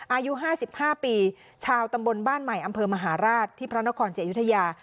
อายุ๕๕ปีชาวตำบลบ้านใหม่อำเภอมหาราชที่พระนครศรีอยุธยา